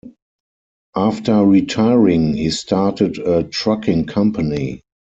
After retiring, he started a trucking company.